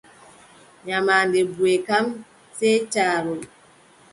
Nyamaande buʼe kam, sey caarol.